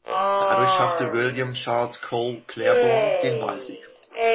Dadurch schaffte William Charles Cole Claiborne den Wahlsieg.